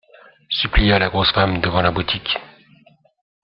Supplia la grosse femme, devant la boutique.